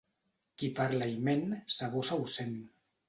Qui parla i ment, sa bossa ho sent.